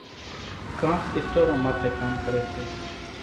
ڪانڪ اِسٽوران ماٿيَ ڪام ڪريَ سي۔